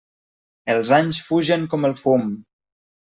Els anys fugen com el fum.